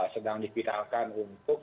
sedang dipindahkan untuk